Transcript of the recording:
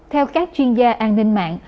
theo các chuyên gia an ninh mạng